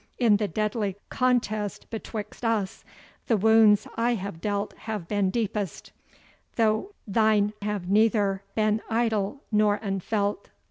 In the deadly contest betwixt us, the wounds I have dealt have been deepest, though thine have neither been idle nor unfelt.